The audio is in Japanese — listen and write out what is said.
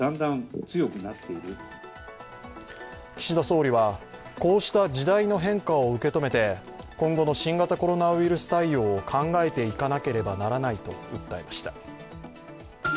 岸田総理はこうした時代の変化を受け止めて今後の新型コロナウイルス対応を考えていかなければならないと訴えました。